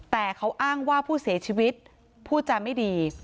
แต่เขาอ้างว่าผู้เสียชีวิตพูดจาไม่ดี